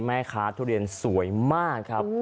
แม่ข้าทุเรียนสวยมากครับ